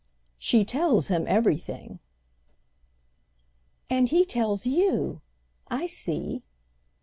"She tells him everything." "And he tells you—I see."